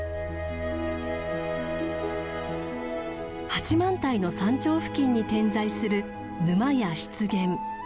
八幡平の山頂付近に点在する沼や湿原。